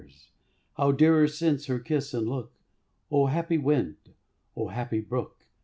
"We bear from her her kiss and look " O happy wind! O happy brook!